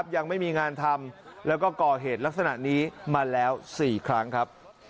ยังไม่มีงานทำ